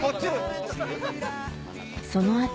その後